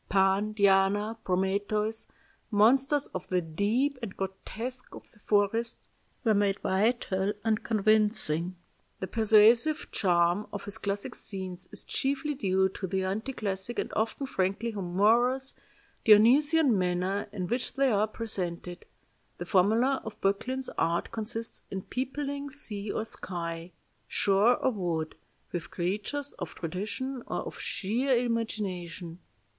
Pan, Diana, Prometheus, monsters of the deep and grotesques of the forest, were made vital and convincing.... The persuasive charm of his classic scenes is chiefly due to the anti classic and often frankly humorous, Dionysian manner in which they are presented.... The formula of Böcklin's art consists in peopling sea or sky, shore or wood, with creatures of tradition or of sheer imagination.